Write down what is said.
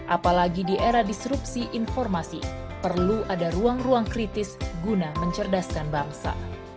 apalagi di era disrupsi informasi perlu ada ruang ruang kritis guna mencerdaskan bangsa